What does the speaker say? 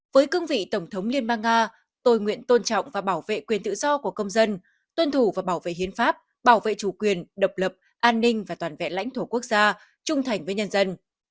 với cương vị tổng thống liên bang nga tôi nguyện tôn trọng và bảo vệ quyền tự do của công dân tuân thủ và bảo vệ hiến pháp bảo vệ chủ quyền độc lập an ninh và toàn vẹn lãnh thổ quốc gia trung thành với nhân dân